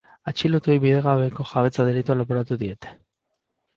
Atxilotuei bidegabeko jabetza delitua leporatu diete.